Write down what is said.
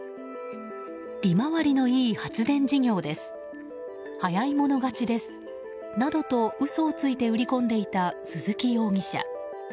利回りのいい発電事業です早い者勝ちですなどと嘘をついて売り込んでいた鈴木容疑者。